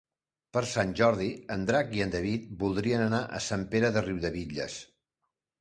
Per Sant Jordi en Drac i en David voldrien anar a Sant Pere de Riudebitlles.